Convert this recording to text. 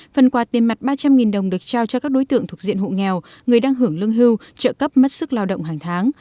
phần quà tiền mặt ba trăm linh đồng được trao cho các đối tượng thuộc diện hộ nghèo người đang hưởng lương hưu trợ cấp mất sức lao động hàng tháng